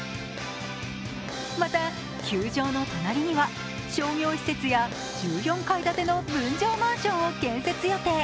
また、球場の隣には商業施設や１４階建ての分譲マンションを建設予定。